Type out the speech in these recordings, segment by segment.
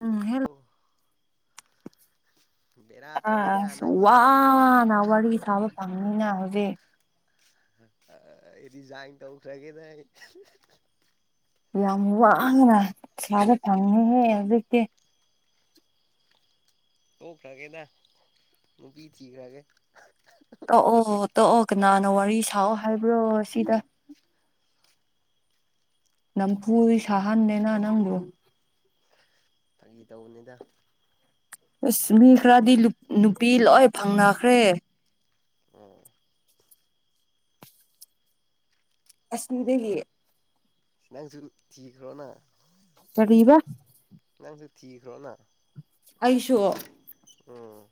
ꯎꯝ hello ꯕꯦꯔꯥ ꯑ ꯇꯧꯋꯦꯗ ꯑꯁ ꯅꯪꯁꯦ ꯋꯥ ꯅ ꯋꯥꯔꯤ ꯁꯥꯕ ꯐꯪꯅꯤꯅ ꯍꯧꯖꯤꯛ ꯗꯤꯖꯥꯏꯟ ꯇꯧꯈ꯭ꯔꯒꯦꯗ ꯑꯩ ꯌꯥꯝ ꯋꯥꯅ ꯁꯕ ꯐꯪꯉꯦꯍꯦ ꯍꯧꯖꯤꯛꯇꯤ ꯇꯣꯛꯈ꯭ꯔꯒꯦꯗ ꯅꯨꯄꯤ ꯊꯤꯈ꯭ꯔꯒꯦ ꯇꯣꯑꯣ ꯇꯣꯑꯣ ꯀꯅꯥꯅꯣ ꯋꯥꯔꯤ ꯁꯥꯎ ꯍꯥꯏꯕ꯭ꯔꯣ ꯁꯤꯗ ꯅꯝꯐꯨ ꯁꯍꯥꯟꯗꯦꯅ ꯅꯪꯕꯨ ꯐꯥꯒꯤ ꯇꯧꯕꯅꯤꯗ ꯑꯁ ꯃꯤ ꯈꯔꯗꯤ ꯅꯨꯄꯤ ꯂꯣꯏ ꯐꯪꯅꯈ꯭ꯔꯦ ꯑꯣ ꯑꯁꯤꯗꯒꯤ ꯅꯪꯁꯨ ꯊꯤꯈ꯭ꯔꯣꯅ ꯀꯔꯤꯕ ꯅꯪꯁꯨ ꯊꯤꯈ꯭ꯔꯣꯅ ꯑꯩꯁꯨ ꯎꯝ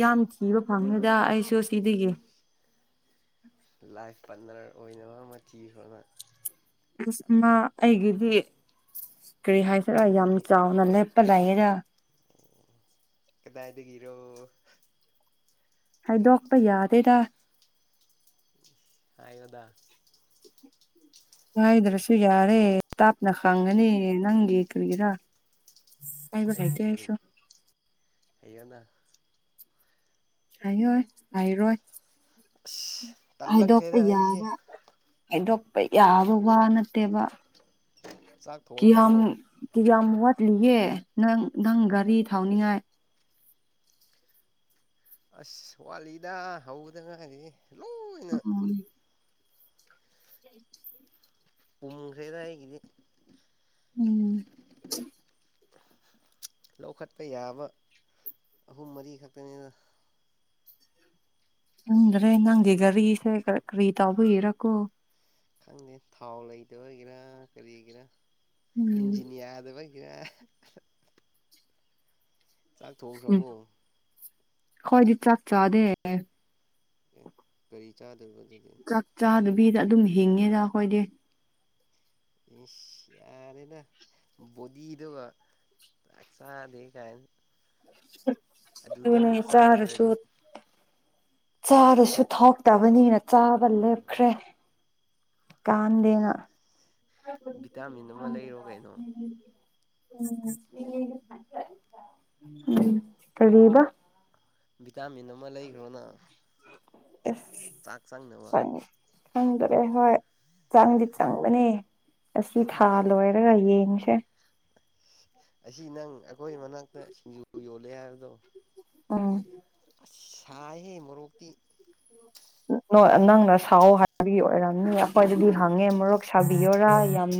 ꯌꯥꯝ ꯊꯤꯕ ꯐꯪꯉꯤꯗ ꯑꯩꯁꯨ ꯁꯤꯗꯒꯤ ꯂꯥꯏꯞ ꯄꯥꯠꯅꯔ ꯑꯣꯏꯅꯕ ꯑꯃ ꯊꯤꯈ꯭ꯔꯣꯅ [unintelligible] ꯑꯩꯒꯤꯗꯤ ꯀꯔꯤ ꯍꯥꯏꯁꯔꯔ ꯌꯥꯝ ꯆꯥꯎꯅ ꯂꯦꯞꯄ ꯂꯩꯌꯦꯗ ꯀꯗꯥꯏꯗꯒꯤꯔꯣ ꯍꯥꯏꯗꯣꯛꯄ ꯌꯥꯗꯦꯗ ꯍꯥꯏꯌꯨꯗ ꯍꯥꯏꯗ꯭ꯔꯁꯨ ꯌꯥꯔꯦ ꯇꯞꯅ ꯈꯪꯒꯅꯤ ꯅꯪꯒꯤ ꯀꯔꯤꯔ ꯍꯥꯏꯕ ꯑꯩꯒꯤ ꯍꯩꯇꯦ ꯀꯔꯤ ꯑꯩꯁꯨ ꯍꯩꯌꯣꯅ ꯍꯩꯔꯣꯏ ꯍꯥꯏꯔꯣꯏ ꯑꯁ ꯍꯥꯏꯗꯣꯛꯄ ꯇꯜꯂꯛꯈ꯭ꯔꯦꯗ ꯑꯩꯁꯦ ꯌꯥꯕ ꯍꯥꯏꯗꯣꯛꯄ ꯌꯥꯕ ꯋꯥ ꯅꯠꯇꯦꯕ ꯆꯥꯛ ꯀꯤꯌꯥꯝ ꯊꯣꯡꯈ꯭ꯔꯕꯣ ꯀꯤꯌꯥꯝ ꯋꯥꯠꯔꯤꯒꯦ ꯅꯪ ꯅꯪ ꯒꯥꯔꯤ ꯊꯧꯅꯤꯉꯥꯏ ꯑꯁ ꯋꯥꯠꯂꯤꯗ ꯍꯧꯕꯗ ꯉꯥꯏꯔꯤ ꯂꯣꯏꯅ [unintelligible] [inaudible] ꯄꯨꯝꯈ꯭ꯔꯦꯗ ꯑꯩꯒꯤꯗꯤ ꯎꯝ ꯂꯧꯈꯠꯄ ꯌꯥꯕ ꯑꯍꯨꯝ ꯃꯔꯤ ꯈꯛꯇꯅꯤꯗ ꯈꯪꯗ꯭ꯔꯦ ꯅꯪꯒꯤ ꯒꯥꯔꯤꯁꯦ ꯀꯔꯤ ꯇꯧꯕꯒꯤꯔꯀꯣ ꯈꯪꯗꯦ ꯊꯥꯎ ꯂꯩꯇꯕꯒꯤꯔ ꯀꯔꯤꯒꯤꯔ ꯎꯝ ꯏꯟꯖꯤꯟ ꯌꯥꯗꯕꯩ ꯒꯤꯔ ꯆꯥꯛ ꯊꯣꯡꯈ꯭ꯔꯕꯣ ꯑꯈꫭꯏꯗꯤ ꯆꯥꯛ ꯆꯥꯗꯦ ꯑꯦ ꯀꯔꯤ ꯆꯥꯗꫭꯏꯕ ꯆꯥꯛ ꯆꯥꯗꯕꯤꯗ ꯑꯗꯨꯝ ꯍꯤꯡꯉꯤꯗ ꯑꯈꯣꯏꯗꯤ ꯏꯁ ꯌꯥꯔꯦꯗ ꯕꯣꯗꯤꯗꯨꯒ ꯆꯥꯛ ꯆꯥꯗꯦ ꯒꯥꯏꯅ [unintelligible] ꯑꯗꯨꯅ ꯆꯥꯔꯁꯨ ꯆꯥꯗ꯭ꯔꯗꯤ ꯆꯥꯔꯁꯨ ꯊꯛꯇꯕꯅꯤꯅ ꯆꯥꯕ ꯂꯦꯞꯈ꯭ꯔꯦ ꯀꯥꯟꯗꯦꯅ ꯚꯤꯇꯥꯃꯤꯟ ꯑꯃ ꯂꯩꯔꯣ ꯀꯩꯅꯣ ꯎꯝ ꯀꯔꯤꯕ ꯚꯤꯇꯥꯃꯤꯟ ꯑꯃ ꯂꯩꯈ꯭ꯔꯣꯅ ꯆꯥꯛ ꯆꯪꯅꯕ ꯑꯁ ꯆꯪꯗꯔꯦ ꯍꯣꯏ ꯆꯪꯗꯤ ꯆꯪꯒꯅꯤ ꯑꯁꯤ ꯊꯥ ꯂꯣꯏꯔꯒ ꯌꯦꯡꯁꯦ ꯑꯁꯤ ꯅꯪ ꯑꯩꯈꯣꯏ ꯃꯅꯥꯛꯇ ꯁꯤꯡꯖꯨ ꯌꯣꯜꯂꯦ ꯍꯥꯏꯕꯗꯣ ꯎꯝ ꯑꯁ ꯁꯥꯏꯍꯦ ꯃꯣꯔꯣꯛꯇꯤ ꯅꯣꯏ ꯅꯪꯅ ꯁꯥꯎꯑꯣ ꯍꯥꯏꯕꯒꯤ ꯑꯣꯏꯔꯝꯅꯤꯗ ꯑꯈꯣꯏꯗꯗꯤ ꯑꯣ ꯍꯪꯉꯦ ꯃꯣꯔꯣꯛ ꯁꯥꯕꯤꯌꯔꯥ ꯍꯣꯏ ꯌꯥꯝ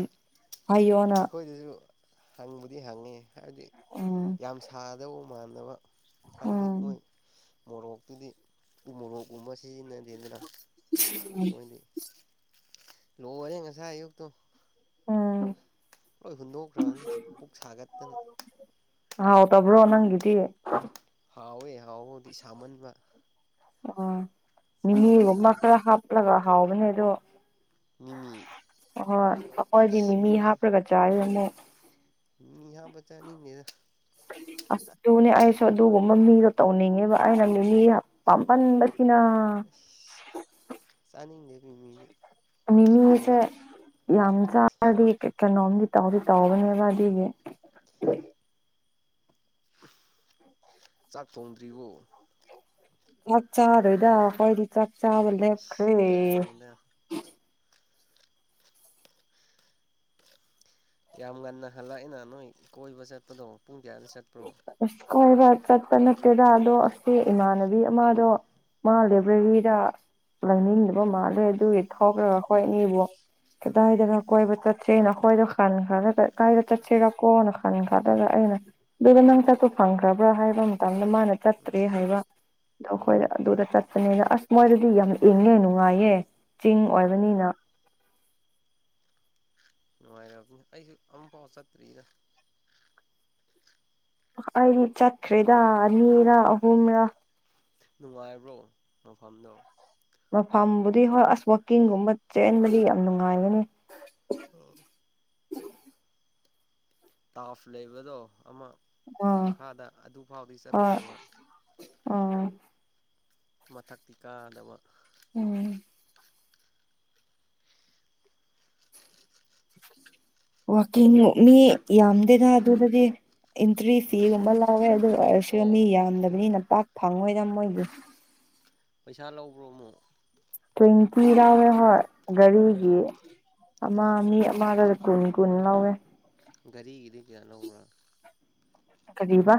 ꯍꯥꯏꯌꯣꯅ ꯑꯩꯈꯣꯏꯗꯁꯨ ꯍꯪꯕꯨꯗꯤ ꯍꯪꯉꯤ ꯍꯥꯏꯕꯗꯤ ꯎꯝ ꯌꯥꯝ ꯁꯥꯗꯧꯕ ꯃꯥꯟꯗꯕ ꯍꯥꯏꯕꯗꯤ ꯎꯝ ꯃꯣꯏ ꯃꯣꯔꯣꯛꯇꯨꯗꯤ ꯎ ꯃꯣꯔꯣꯛꯀꯨꯝꯕ ꯁꯤꯖꯤꯟꯅ ꯃꯣꯢꯗꯤ ꯂꯣꯏꯔꯦ ꯉꯁꯥꯏ ꯑꯌꯨꯛꯇꯣ ꯎꯝ ꯂꯣꯏ ꯍꯨꯟꯗꯣꯛꯈ꯭ꯔꯕꯅꯤ ꯄꯨꯛ ꯁꯥꯒꯠꯇꯅ ꯍꯥꯎꯇꯕ꯭ꯔꯣ ꯅꯪꯒꯤꯗꯤ ꯍꯥꯎꯋꯦ ꯍꯥꯎꯕꯕꯨꯗꯤ ꯁꯥꯃꯟꯕ ꯎꯝ ꯆꯥꯕ ꯃꯤꯃꯤꯒꯨꯝꯕ ꯌꯥꯗ꯭ꯔꯦ ꯈꯔ ꯍꯥꯞꯂꯒ ꯍꯥꯎꯕꯅꯦ ꯑꯗꯣ ꯃꯤꯃꯤ ꯍꯣꯏ ꯑꯈꯣꯏꯗꯤ ꯃꯤ ꯑꯁ ꯃꯤ ꯃꯤꯃꯤ ꯍꯥꯞꯄꯒ ꯆꯥꯌꯦ ꯑꯃꯨꯛ ꯃꯤꯃꯤ ꯍꯥꯞꯄ ꯆꯅꯤꯡꯗꯦꯗ ꯑꯁ ꯑꯗꯨꯅꯦ ꯑꯩꯁꯨ ꯑꯗꯨꯒꯨꯝꯕ ꯃꯤꯗꯣ ꯇꯧꯅꯤꯡꯉꯦꯕ ꯑꯩꯅ ꯃꯤꯃꯤ ꯍꯞ ꯄꯥꯝꯃꯟꯕꯒꯤ ꯀꯤꯅꯥ ꯑꯁ ꯆꯥꯅꯤꯡꯗꯦ ꯃꯤꯃꯤꯗꯤ ꯁꯤꯡꯖꯨꯗ ꯃꯤꯃꯤꯁꯦ ꯌꯥꯝ ꯆꯔꯗꯤ ꯀꯩꯅꯣꯝꯗꯤ ꯇꯧꯗꯤ ꯇꯧꯕꯅꯦꯕ ꯎꯝ ꯑꯗꯨꯒꯤ ꯆꯥꯛ ꯊꯣꯡꯗ꯭ꯔꯤꯕꯣ ꯆꯥꯛ ꯆꯥꯥꯔꯣꯏꯗ ꯑꯈꯣꯏꯗꯤ ꯆꯥꯛ ꯆꯥꯥꯕ ꯑꯁ ꯂꯦꯞꯈ꯭ꯔꯦ ꯌꯥꯔꯦꯗ ꯌꯥꯝ ꯉꯟꯅ ꯍꯜꯂꯛꯑꯦꯅ ꯅꯣꯏ ꯀꯣꯏꯕ ꯆꯠꯄꯗꯣ ꯄꯨꯡ ꯒ꯭ꯌꯥꯟ ꯆꯠꯄ꯭ꯔꯣ ꯑꯁ ꯀꯣꯏꯕ ꯆꯠꯄ ꯅꯠꯇꯦꯗ ꯑꯗꯣ ꯑꯁꯤ ꯏꯃꯥꯟꯅꯕꯤ ꯑꯃꯗꯣ ꯃꯥ ꯎꯝ ꯂꯦꯕ꯭ꯔꯦꯔꯤꯗ ꯂꯩꯅꯤꯡꯗꯕ ꯃꯥꯜꯂꯦ ꯑꯗꯨꯒꯤ ꯊꯣꯛꯔꯒ ꯑꯩꯈꯣꯏ ꯎꯝ ꯑꯅꯤꯕꯨ ꯀꯗꯥꯏꯗꯔ ꯀꯣꯏꯕ ꯆꯠꯁꯦꯅ ꯑꯈꯣꯏꯗꯣ ꯈꯟꯈꯔꯥꯒ ꯀꯥꯏꯗ ꯆꯠꯁꯤꯔꯀꯣꯅ ꯈꯟꯈꯔꯥꯒ [inaudible] ꯑꯗꯨꯒꯗ ꯅꯪ ꯆꯠꯇꯣ ꯐꯪꯈ꯭ꯔ ꯍꯥꯏꯕ ꯃꯇꯝꯗ ꯃꯥꯅ ꯆꯠꯇ꯭ꯔꯦ ꯎꯝ ꯍꯥꯏꯕ ꯑꯗꯣ ꯎꯝ ꯑꯩꯈꯣꯏꯗ ꯑꯗꯨꯗ ꯆꯠꯄꯅꯤꯗ ꯑꯁ ꯃꯣꯏꯗꯗꯤ ꯌꯥꯝ ꯏꯪꯉꯦ ꯅꯨꯡꯉꯥꯏꯌꯦ ꯆꯤꯡ ꯑꯣ ꯑꯣ ꯑꯣꯏꯕꯅꯤꯅ ꯅꯨꯡꯉꯥꯏꯔꯝꯅꯤ ꯑꯩꯁꯨ ꯑꯃꯐꯥꯎ ꯆꯠꯇ꯭ꯔꯤꯗ ꯑꯩꯗꯤ ꯆꯠꯈ꯭ꯔꯦꯗ ꯑꯅꯤꯔ ꯑꯍꯨꯝꯔꯥ ꯅꯨꯡꯉꯥꯏꯕ꯭ꯔꯣ ꯃꯐꯝꯗꯣ ꯃꯐꯝꯕꯨꯗꯤ ꯍꯣꯏ ꯑꯁ ꯋꯥꯛꯀꯤꯡꯒꯨꯝꯕ ꯆꯦꯟꯕꯗꯤ ꯌꯥꯝ ꯅꯨꯡꯉꯥꯏꯒꯅꯤ ꯑꯣ ꯇꯥꯐ ꯂꯩꯕꯗꯣ ꯑꯃ ꯑꯥ ꯃꯈꯥꯗ ꯑꯗꯨꯐꯥꯎꯗꯤ ꯆꯠꯈ꯭ꯔꯦꯕ ꯑꯣ ꯃꯊꯛꯇꯤ ꯀꯥꯗꯕ ꯎꯝ ꯋꯥꯀꯤꯡ ꯃꯤ ꯌꯥꯝꯗꯦꯗ ꯑꯗꯨꯗꯗꯤ ꯑꯦꯟꯇ꯭ꯔꯤ ꯑꯥ ꯐꯤꯒꯨꯝꯕ ꯂꯧꯋꯦ ꯑꯗꯨ ꯑꯣꯏꯔꯁꯨ ꯃꯤ ꯑꯣ ꯌꯥꯝꯗꯕꯅꯤꯅ ꯄꯥꯛ ꯐꯪꯉꯣꯏꯗ ꯃꯣꯏꯒꯤ ꯄꯩꯁꯥ ꯂꯧꯕ꯭ꯔꯣꯃꯣ ꯇ꯭ꯋꯦꯟꯇꯤ ꯂꯥꯎꯔꯦ ꯍꯣꯏ ꯒꯥꯔꯤꯒꯤ ꯑꯣ ꯑꯃ ꯑꯣ ꯑꯣ ꯃꯤ ꯑꯃꯗ ꯨꯀꯨꯟꯀꯨꯟ ꯂꯧꯑꯦ ꯒꯥꯔꯤꯒꯤꯗꯤ ꯀꯌꯥ ꯂꯧꯕ꯭ꯔꯥ ꯀꯔꯤꯕ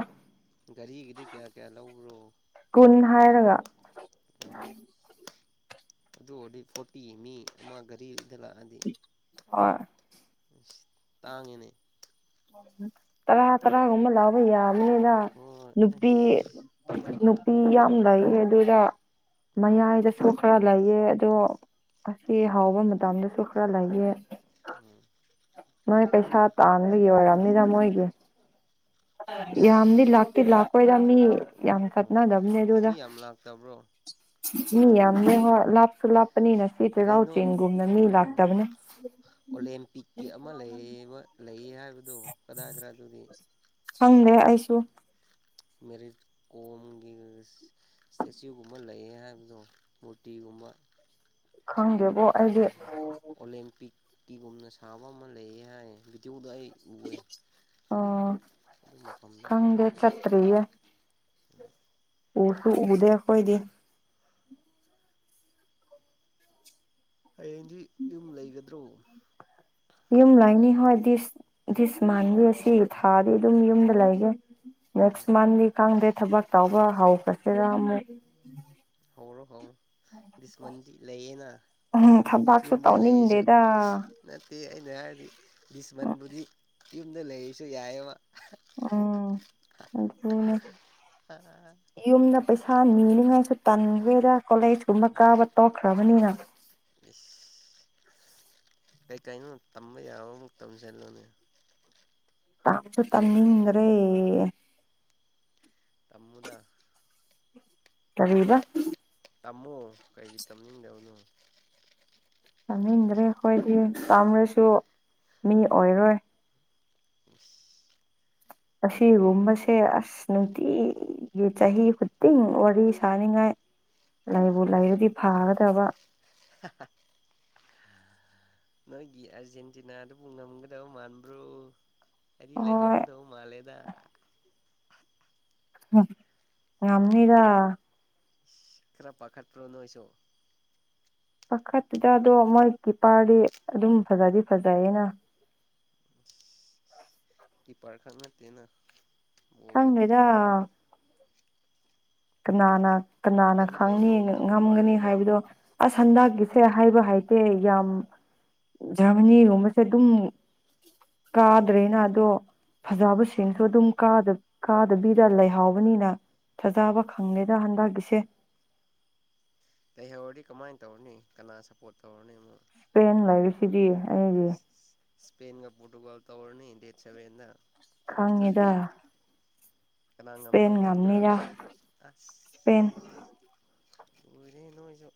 ꯒꯥꯔꯤꯒꯤꯗꯤ ꯀꯌꯥ ꯀꯌꯥ ꯂꯧꯕ꯭ꯔꯣ ꯀꯨꯟ ꯍꯥꯏꯔꯒ ꯑꯣ ꯑꯗꯨ ꯑꯣꯏꯗꯤ ꯐꯣꯇꯤ ꯃꯤ ꯑꯃ ꯘꯔꯤꯗ ꯂꯥꯛꯑꯗꯤ ꯍꯣꯏ ꯇꯥꯡꯉꯤꯅꯦ ꯇꯔꯥ ꯇꯔꯥꯒꯨꯝꯕ ꯂꯥꯎꯕ ꯌꯥꯕꯅꯤꯅ ꯍꯣꯏ ꯅꯨꯄꯤ ꯑꯁ ꯅꯨꯄꯤ ꯌꯥꯝ ꯂꯩꯑꯦ ꯑꯗꯨꯗ ꯑꯣ ꯃꯌꯥꯏꯗꯁꯨ ꯈꯔ ꯂꯩꯑ ꯑꯗꯣ ꯑꯁꯤ ꯍꯥꯎꯕ ꯃꯇꯝꯗꯁꯨ ꯈꯔ ꯂꯩꯑꯦ ꯑꯝ ꯅꯣꯏ ꯄꯩꯁꯥ ꯇꯥꯟꯕꯒꯤ ꯋꯥꯔꯝꯅꯤꯗ ꯃꯣꯏꯒꯤ ꯏꯁ ꯌꯥꯝꯗꯤ ꯂꯥꯛꯇꯤ ꯂꯥꯛꯔꯣꯏꯗ ꯃꯤ ꯌꯥꯝ ꯑꯣ ꯀꯛꯅꯗꯕꯅꯦ ꯑꯗꯨꯗ ꯃꯤ ꯌꯥꯝ ꯂꯥꯛꯇꯕ꯭ꯔꯣ ꯃꯤ ꯌꯥꯝꯃꯦ ꯍꯣꯢ ꯂꯥꯞꯁꯨ ꯂꯥꯞ ꯂꯄꯅꯤꯅ ꯁꯤ ꯆꯩꯔꯥꯎ ꯀꯩꯅꯣ ꯆꯤꯡꯒꯨꯝꯅ ꯃꯤ ꯑꯥ ꯂꯥꯛꯇꯕꯅꯦ ꯑꯣꯂꯦꯝꯄꯤꯛꯀꯤ ꯑꯃ ꯂꯩꯕ ꯂꯩ ꯍꯥꯏꯕꯗꯣ ꯀꯗꯥꯏꯗꯔ ꯑꯗꯨꯗꯤ ꯍꯪꯗꯦ ꯑꯩꯁꯨ ꯃꯦꯔꯤ ꯀꯣꯝꯒꯤ ꯏꯁꯇꯦꯆꯌꯨꯒꯨꯝꯕ ꯂꯩꯌꯦ ꯍꯥꯏꯕꯗꯣ ꯃꯨꯔꯇꯤꯒꯨꯝꯕ ꯈꯪꯗꯦꯕꯣ ꯑꯩꯗꯤ ꯑꯣꯂꯦꯝꯄꯤꯛꯀꯤꯒꯨꯝꯅ ꯁꯥꯕ ꯑꯃ ꯂꯩꯌꯦ ꯍꯥꯏ ꯖꯤꯗꯤꯑꯣꯗ ꯎꯑꯦ ꯑꯩ ꯑ ꯑꯗꯨ ꯃꯐꯝꯗꯣ ꯈꯪꯗꯦ ꯈꯪꯗꯕ ꯆꯠꯇꯔꯤꯑꯦ ꯎꯁꯨ ꯎꯗꯦ ꯑꯩꯈꯣꯏꯗꯤ ꯍꯌꯦꯡꯗꯤ ꯌꯨꯝ ꯂꯩꯒꯗ꯭ꯔꯣ ꯌꯨꯝ ꯂꯩꯅꯤ ꯍꯣꯏ ꯗꯤꯁ ꯗꯤꯁ ꯃꯥꯟꯒꯦ ꯁꯤ ꯊꯥꯗꯤ ꯑꯗꯨꯝ ꯌꯨꯝꯗ ꯂꯩꯒꯦ ꯅꯦꯛꯁ ꯃꯟꯗꯤ ꯈꯪꯗꯦ ꯊꯕꯛ ꯇꯧꯕ ꯍꯧꯈꯔꯁꯤꯔ ꯑꯃꯨꯛ ꯍꯧꯔꯣ ꯍꯧꯔꯣ ꯗꯤꯁꯃꯟꯗꯤ ꯂꯩꯌꯦꯅ ꯎꯝ ꯊꯕꯛꯁꯨ ꯌꯨꯝꯗ ꯂꯩꯔꯁꯨ ꯇꯧꯅꯤꯡꯗꯦꯗ ꯅꯠꯇꯦ ꯑꯩꯅ ꯍꯥꯏꯔꯗꯤ ꯕꯤꯁꯃꯟꯕꯨꯗꯤ ꯌꯨꯝꯗ ꯂꯩꯔꯤꯁꯨ ꯌꯥꯏꯑꯦꯕ ꯎꯝ ꯑꯗꯨꯅꯦ ꯌꯨꯝꯗ ꯄꯩꯁꯥ ꯅꯤꯅꯤꯡꯉꯥꯏꯁꯨ ꯇꯟꯈꯔꯦꯗ ꯀꯣꯂꯦꯖ ꯀꯨꯝꯕ ꯀꯥꯕ ꯇꯣꯛꯈ꯭ꯔꯕꯅꯤꯅ [unintelligible] ꯀꯩ ꯀꯩꯅꯣ ꯇꯝꯕ ꯌꯥꯕꯃꯨꯛ ꯇꯝꯁꯜꯂꯣꯅꯦ ꯇꯥꯡꯁꯨ ꯇꯝꯅꯤꯡꯗ꯭ꯔꯦ ꯇꯝꯃꯣꯗ ꯀꯔꯤꯕ ꯇꯥꯝꯃꯣ ꯀꯩꯒꯤ ꯇꯝꯅꯤꯡꯗꯕꯅꯣ ꯇꯝꯅꯤꯡꯗ꯭ꯔꯦ ꯑꯩꯈꯣꯏꯗꯤ ꯇꯝꯔꯁꯨ ꯃꯤ ꯑꯣꯏꯔꯣꯏ [inaudible] ꯑꯁꯤꯒꯨꯝꯕꯁꯦ ꯑꯁ ꯅꯨꯡꯇꯤꯒꯤ ꯆꯍꯤ ꯈꯨꯗꯤꯡ ꯋꯥꯔꯤ ꯁꯥꯅꯤꯡꯉꯥꯏ [inaudible] ꯂꯩꯕꯨ ꯂꯩꯔꯗꯤ ꯐꯥꯒꯗꯕ [unintelligible] ꯅꯣꯏꯒꯤ ꯑꯥꯔꯖꯦꯟꯇꯤꯅꯥꯗꯨꯄꯨ ꯉꯝꯒꯗꯕ ꯃꯥꯟꯕ꯭ꯔꯣ ꯑꯩꯗꯤ ꯍꯣꯏ ꯂꯩꯍꯧꯒꯗꯧ ꯃꯥꯜꯂꯦꯗ ꯉꯝꯅꯤꯗ ꯈꯔ ꯄꯥꯈꯠꯄ꯭ꯔꯣ ꯅꯣꯏꯁꯨ ꯄꯥꯈꯠꯇꯨꯗ ꯑꯗꯣ ꯃꯣꯏ ꯀꯤꯄꯥꯔꯗꯤ ꯑꯗꯨꯝ ꯐꯖꯗꯤ ꯐꯖꯩꯌꯦꯅ ꯀꯤꯄꯔꯈꯛ ꯅꯠꯇꯦꯅ ꯕꯣꯕꯨꯗꯤ ꯈꯪꯗꯦꯗ ꯀꯅꯥꯅ ꯀꯅꯥꯅ ꯑꯩꯗꯤ ꯈꯪꯅꯤ ꯂꯩꯍꯧꯒꯗꯧꯕ ꯉꯝꯒꯅꯤ ꯃꯥꯜꯂꯦꯗ ꯍꯥꯏꯕꯗꯣ ꯑꯁ ꯍꯟꯗꯛꯀꯤ ꯁꯦ ꯍꯥꯏꯕ ꯍꯥꯏꯇꯦ ꯌꯥꯝ ꯖꯔꯃꯅꯤꯒꯨꯝꯕꯁꯦ ꯑꯗꯨꯝ ꯎꯝ ꯀꯥꯗ꯭ꯔꯦꯅ ꯑꯗꯣ ꯎꯝ ꯐꯖꯕꯁꯤꯡꯁꯨ ꯑꯗꯨꯝ ꯀꯥꯗꯕꯤꯗ ꯂꯩꯍꯥꯎꯕꯅꯤꯅ ꯐꯖꯕ ꯍꯣꯏ ꯍꯟꯗꯛꯒꯤꯁꯦ ꯂꯩꯩꯍꯧꯔꯗꯤ ꯀꯃꯥꯏꯅ ꯇꯧꯔꯅꯤ ꯀꯅꯥ ꯁꯞꯄꯣꯔꯠ ꯇꯧꯔꯅꯤ ꯑꯃꯨ ꯏꯁꯄꯦꯟ ꯂꯩꯔꯤꯁꯤꯗꯤ ꯑꯩꯒꯤ ꯁꯄꯦꯟꯒ ꯄꯣꯔꯇꯨꯒꯜ ꯇꯣꯔꯅꯤ ꯗꯦꯠ ꯁꯕꯦꯟꯗ ꯇꯨꯋꯦꯜꯚ ꯈꯪꯉꯤꯗ ꯊꯥꯔꯇꯤ ꯀꯅꯥ ꯏꯁꯄꯦꯟ ꯉꯝꯗꯧ ꯃꯥꯟꯕ꯭ꯔꯥ ꯉꯝꯅꯤꯗ ꯑꯁ ꯏꯁꯄꯦꯟ ꯂꯣꯏꯔꯦ ꯅꯣꯏꯖꯨ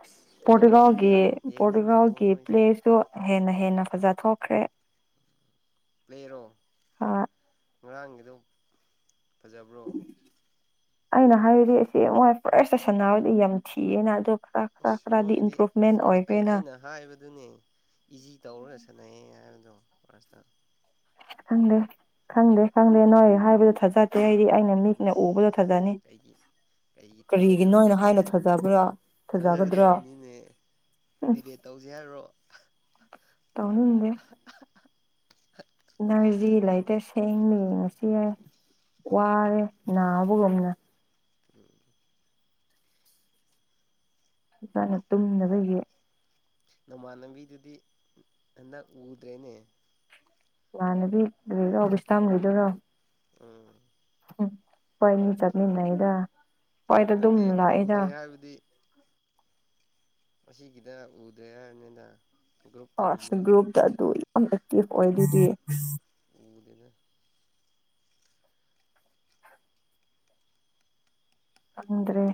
ꯑꯁ ꯄꯣꯔꯇꯨꯒꯥꯜꯁꯦ ꯄꯣꯔꯇꯨꯒꯥꯜꯒꯤ ꯌꯥꯝ ꯌꯦꯡꯅꯤꯡꯗ꯭ꯔꯕꯣ ꯄꯣꯔꯇꯨꯒꯥꯜꯒꯤ ꯅꯣꯏꯁꯦ ꯄ꯭ꯂꯦꯁꯇꯨ ꯍꯦꯟꯅ ꯍꯦꯟꯅ ꯐꯖꯊꯣꯛꯈ꯭ꯔꯦ ꯄ꯭ꯂꯦꯔꯣ ꯍꯣꯏ ꯉꯔꯥꯡꯒꯤꯗꯣ ꯐꯖꯕ꯭ꯔꯣ ꯑꯩꯅ ꯍꯥꯏꯔꯗꯤ ꯑꯩꯁꯦ ꯃꯣꯏ ꯐ꯭ꯔꯦꯁꯇ ꯁꯥꯟꯅꯥꯔꯗꯤ ꯌꯥꯝ ꯊꯤꯑꯦꯅ ꯑꯗꯨ ꯑꯁ ꯃꯣꯏꯒꯤꯗꯤ ꯐꯥꯔꯁ ꯑꯩ ꯑꯩꯅ ꯍꯥꯏꯕꯗꯨꯅꯦ ꯏꯖꯤ ꯇꯧꯔꯁꯦ ꯁꯅꯩ ꯍꯥꯏꯕꯗꯣ ꯐꯥꯔꯁꯇ ꯈꯪꯗꯦ ꯈꯪꯗꯦ ꯈꯪꯗꯦ ꯅꯣꯏ ꯍꯥꯏꯕꯗꯨ ꯊꯥꯖꯗꯦ ꯗꯦ ꯍꯥꯏꯗꯤ ꯑꯩꯅ ꯃꯤꯠꯅ ꯏꯁ ꯎꯕꯗꯣ ꯊꯖꯅꯤ ꯀꯩꯒꯤ ꯀꯩꯒꯤ ꯊꯥꯖꯗꯕ ꯀꯔꯤꯒꯤꯅꯣꯅ ꯍꯥꯏꯅ ꯊꯖꯕ꯭ꯔꯥ ꯊꯖꯒꯗ꯭ꯔꯥ ꯊꯥꯖꯒꯗꯕꯅꯤꯅꯦ ꯗꯤꯕꯦꯠ ꯇꯧꯖꯦ ꯍꯥꯏꯔꯣ ꯇꯧꯅꯤꯡꯗꯦ ꯅꯖꯤꯂ ꯂꯩꯇꯦ ꯁꯦꯡꯂꯦ ꯌꯦꯡꯉꯁꯤ ꯌꯥꯏ ꯋꯥꯔꯦ ꯅꯥꯕꯒꯨꯝꯅ ꯎꯝ ꯍꯥꯅ ꯇꯨꯝꯅꯕꯒꯤ ꯅꯃꯥꯟꯅꯕꯤꯗꯨꯗꯤ ꯍꯟꯗꯛ ꯎꯗ꯭ꯔꯦꯅꯦ [unintelligible] ꯎꯝ ꯈꯣꯏꯅꯤ ꯆꯠꯃꯤꯟꯅꯩꯗ ꯍꯣꯏꯗ ꯑꯗꯨꯝ ꯅꯠꯇꯦ ꯂꯥꯛꯑꯦꯗ ꯎꯗ꯭ꯔꯦ ꯍꯥꯏꯕꯗꯤ ꯑꯁꯤꯒꯤꯒꯤꯗ ꯎꯗꯦ ꯍꯥꯏꯕꯅꯤꯅ ꯑꯥ ꯒ꯭ꯔꯨꯞꯇꯒꯨꯝꯕ ꯒ꯭ꯔꯨꯨꯞ ꯇ ꯑꯗꯨ ꯌꯥꯝ ꯑꯦꯛꯇꯤꯐ ꯑꯣꯏꯗꯨꯗꯤ ꯗꯗ ꯈꯪꯗ꯭ꯔꯦ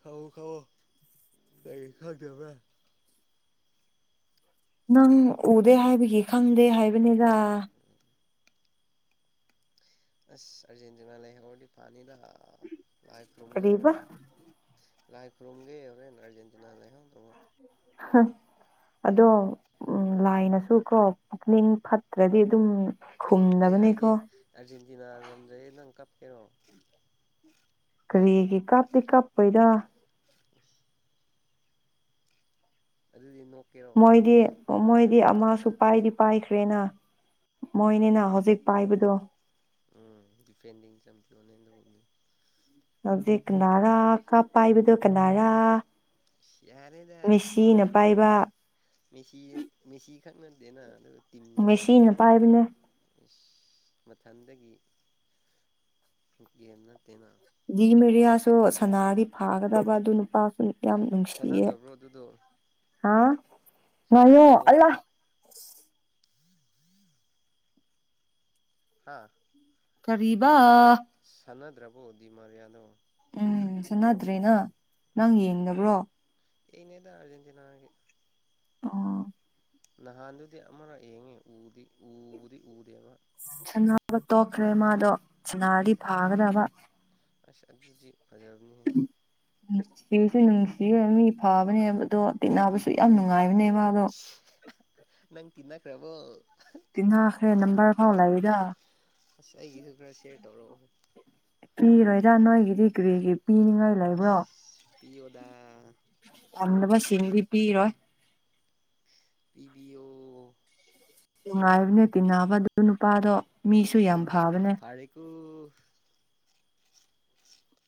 ꯈꯥꯎꯋꯣ ꯈꯥꯎꯋꯣ ꯀꯩ ꯈꯥꯎꯗꯕ꯭ꯔ ꯅꯪ ꯎꯗꯦ ꯍꯥꯏꯕꯒꯤ ꯈꯪꯗꯦ ꯍꯥꯏꯕꯅꯤꯗ ꯑꯁ ꯑꯔꯖꯦꯟꯇꯤꯅꯥ ꯂꯩꯥꯍꯧꯔꯗꯤ ꯐꯅꯤꯗ ꯂꯥꯏ ꯈꯨꯔꯨꯝꯒꯦ ꯀꯔꯤꯕ ꯍꯣꯔꯦꯟ ꯂꯥꯏ ꯈꯨꯔꯨꯝꯒꯦ ꯍꯣꯔꯦꯟ ꯑꯔꯖꯦꯟꯇꯤꯅꯥ ꯂꯩꯍꯧꯅꯕ ꯍꯥ ꯑꯗꯣ ꯂꯥꯏꯅꯁꯨ ꯀꯣ ꯄꯨꯛꯅꯤꯡ ꯐꯠꯇ꯭ꯔꯗꯤ ꯑꯗꯨꯝ ꯑꯩ ꯍꯥꯏꯒꯦ ꯈꯨꯝꯅꯕꯅꯤꯀꯣ ꯑꯥꯔꯖꯦꯟꯇꯤꯅꯥ ꯉꯝꯗ꯭ꯔꯦꯗꯤ ꯅꯪ ꯀꯞꯀꯦꯔꯣ ꯀꯔꯤꯒꯤ ꯀꯞꯇꯤ ꯀꯞꯄꯣꯏꯗ ꯑꯗꯨꯗꯤ ꯅꯣꯛ ꯃꯣꯏꯗꯤ ꯃꯣꯏ ꯃꯣꯏꯗꯤ ꯑꯃꯁꯨ ꯄꯥꯏꯗꯤ ꯄꯥꯏꯈ꯭ꯔꯦꯅ ꯃꯣꯏꯅꯤꯅ ꯍꯧꯖꯤꯛ ꯄꯥꯏꯕꯗꯣ ꯎꯝ ꯗꯤꯐꯦꯟꯗꯤꯡ ꯆꯡꯄꯤꯌꯣꯅ ꯍꯧꯖꯤꯛ ꯀꯅꯔꯥ ꯀꯥꯞ ꯄꯥꯏꯕꯗꯣ ꯀꯅꯔꯥ ꯌꯔꯦꯗ ꯄꯥꯏꯕ ꯃꯦꯁꯤ ꯃꯦꯁꯤ [inaudible] ꯃꯦꯁꯤꯅ ꯄꯥꯏꯕꯅꯦ ꯃꯊꯟꯗꯒꯤ ꯒꯦꯝ ꯅꯠꯇꯦꯅ ꯗꯤ ꯃꯦꯔꯤꯌꯥꯁꯨ ꯁꯅꯔꯗꯤ ꯐꯥꯒꯗꯕ ꯑꯗꯨ ꯅꯨꯄꯥꯁꯨ ꯌꯥꯝ ꯅꯨꯡꯁꯤꯌꯦ ꯁꯥꯟꯅꯗꯕ꯭ꯔꯣ ꯑꯗꯨꯗꯣ ꯑꯥ ꯉꯥꯏꯑꯣ ꯁꯥꯟꯅꯗ꯭ꯔꯕꯣ ꯑꯜꯂ ꯍꯥ ꯀꯔꯤꯕ ꯁꯥꯟꯅꯗ꯭ꯔꯕꯣ ꯗꯤꯃꯥꯔꯤꯌꯥꯗꯣ ꯎꯝ ꯁꯥꯟꯅꯗ꯭ꯔꯦꯅ ꯑꯣ ꯅꯪ ꯑꯣ ꯌꯦꯡꯗꯕ꯭ꯔꯣ ꯑꯩꯅꯦꯗ ꯑꯥꯔꯖꯦꯟꯇꯤꯅꯥꯒꯤ ꯑꯥ ꯅꯍꯥꯟꯗꯨꯗꯤ ꯑꯃꯔꯛ ꯌꯦꯡꯉꯦ ꯎꯗꯤ ꯎꯗꯤ ꯎꯗꯦꯕ ꯁꯅꯥꯕ ꯇꯣꯛꯈ꯭ꯔꯦ ꯃꯥꯗꯣ ꯑꯥ ꯁꯅꯥꯔꯗꯤ ꯐꯥꯒꯗꯕ ꯑꯗꯨꯗꯤ ꯐꯖꯕꯅꯤꯍꯦ ꯅꯨꯡꯁꯨ ꯅꯨꯡꯁꯤꯌꯦ ꯃꯤ ꯐꯥꯕꯅꯦꯕ ꯑꯗꯣ ꯇꯤꯟꯅꯕꯁꯨ ꯌꯥꯝ ꯅꯨꯡꯉꯥꯏꯕꯅꯦ ꯃꯥꯗꯣ ꯅꯪ ꯇꯤꯟꯅꯈ꯭ꯔꯕꯣ ꯇꯤꯟꯅꯈ꯭ꯔꯦ ꯅꯝꯕꯔ ꯐꯥꯎ ꯂꯩꯗ ꯑꯁ ꯑꯩꯒꯤꯁꯨ ꯈꯔ ꯁꯤꯌꯔ ꯇꯧꯔꯛꯑꯣ ꯍꯦ ꯄꯤꯔꯣꯏꯗ ꯅꯣꯏꯒꯤꯗꯤ ꯀꯔꯤꯒꯤ ꯄꯤꯅꯤꯡꯉꯥꯏ ꯂꯩꯕ꯭ꯔꯣ ꯄꯤꯑꯣꯗ ꯄꯥꯝꯗꯕ ꯁꯤꯡꯗꯤ ꯄꯤꯔꯣꯏ ꯄꯤꯕꯤꯑꯣ ꯅꯨꯡꯉꯥꯏꯕꯅꯦ ꯇꯤꯟꯅꯕ ꯑꯗꯨ ꯅꯨꯄꯥꯗꯣ ꯃꯤꯁꯨ ꯌꯥꯝ ꯐꯕꯅꯦ ꯐꯔꯦꯀꯣ